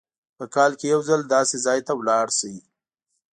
په کال کې یو ځل داسې ځای ته لاړ شئ.